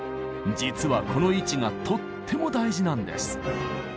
実はこの位置がとっても大事なんです。